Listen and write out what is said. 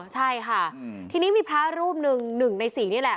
ใช่ค่ะทีนี้มีพระรูปหนึ่ง๑ใน๔นี่แหละ